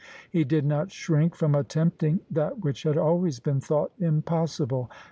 He did not shrink from attempting that which had always been thought impossible.